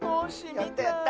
やったやった！